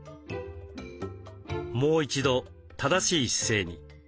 もう一度正しい姿勢に。